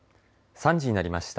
３時になりました。